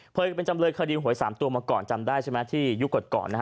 เคยเป็นจำเลยคดีหวย๓ตัวมาก่อนจำได้ใช่ไหมที่ยุคก่อนนะฮะ